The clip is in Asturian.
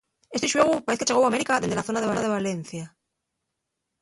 Esti xuegu paez que chegóu a América dende la zona de Valencia.